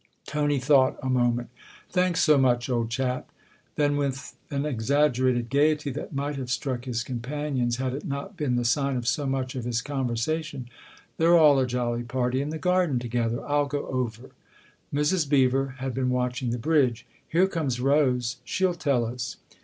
Tony thought a moment. " Thanks so much, old chap." Then with an exaggerated gaiety that might have struck his companions had it not been the sign of so much of his conversation :" They're all a jolly party in the garden together. I'll go over." Mrs. Beever had been watching the bridge. " Here comes Rose she'll tell us."